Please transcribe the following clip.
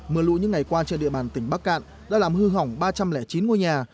mưa lũ những ngày qua trên địa bàn tỉnh bắc cạn đã làm hư hỏng ba trăm linh chín ngôi nhà